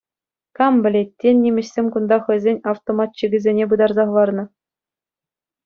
Кам пӗлет, тен нимӗҫсем кунта хӑйсен автоматчикӗсене пытарса хӑварнӑ.